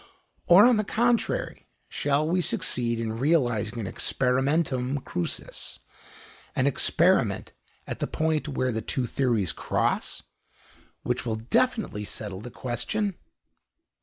Or, on the contrary, shall we succeed in realising an experimentum crucis, an experiment at the point where the two theories cross, which will definitely settle the question?